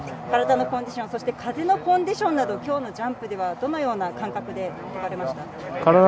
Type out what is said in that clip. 体のコンディション、風のコンディションなど今日のジャンプではどのような感覚でいましたか？